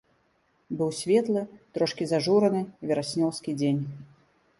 Быў светлы, трошкі зажураны, вераснёўскі дзень.